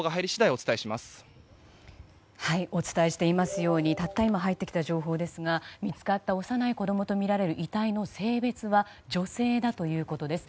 お伝えしていますようにたった今入ってきた情報ですが見つかった幼い子供とみられる遺体の性別は女性だということです。